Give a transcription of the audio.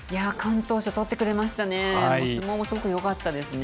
敢闘賞取ってくれましたよね。